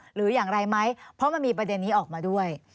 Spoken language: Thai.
หรืออย่างไรไหมเพราะมันมีประเด็นนี้ออกมาด้วย